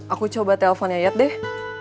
aku coba teleponnya yet deh